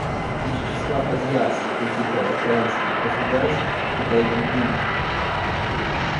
Из числа азиатских и тихоокеанских государств — Китай и Индия.